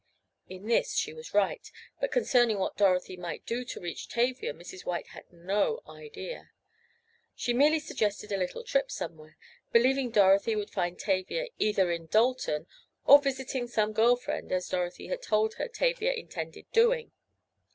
In this she was right, but concerning what Dorothy might do to reach Tavia Mrs. White had no idea. She merely suggested a "little trip somewhere," believing Dorothy would find Tavia, either in Dalton, or visiting some girl friend, as Dorothy had told her Tavia intended doing.